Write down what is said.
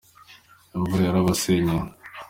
imvura yarabasenyeye